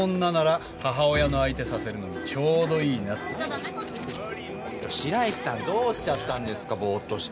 ちょ白石さんどうしちゃったんですかぼっとして。